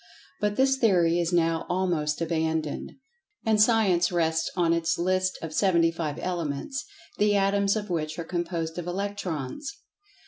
But this theory is now almost abandoned, and Science rests on its list of seventy five elements, the atoms of which are composed of "Electrons."